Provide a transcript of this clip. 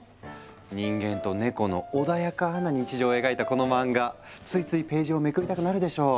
人間とネコの穏やかな日常を描いたこの漫画ついついページをめくりたくなるでしょう？